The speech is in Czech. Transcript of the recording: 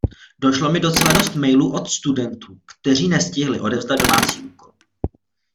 Došlo mi docela dost mailů od studentů, kteří nestihli odevzdat domácí úkol.